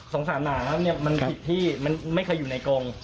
สงสารหน่ามันขอบผิดที่มันไม่เคยอยู่ในกรง